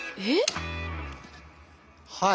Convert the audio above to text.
はい。